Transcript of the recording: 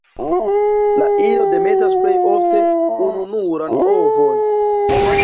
La ino demetas plej ofte ununuran ovon.